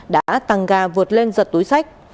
đã tăng ga vượt lên giật túi sách